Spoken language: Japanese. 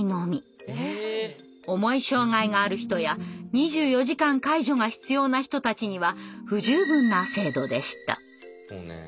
重い障害がある人や２４時間介助が必要な人たちには不十分な制度でした。